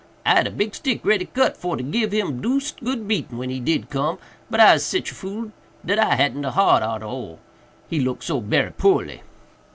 I had a big stick ready cut for to gib him deuced good beating when he did come—but Ise sich a fool dat I hadn't de heart arter all—he look so berry poorly."